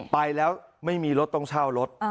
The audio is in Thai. ไปแล้วไม่มีรถต้องเช่ารถ